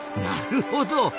なるほど。